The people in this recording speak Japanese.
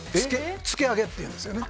つけ揚げっていうんですよね。